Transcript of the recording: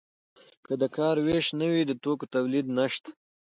که د کار ویش نه وي د توکو تولید نشته.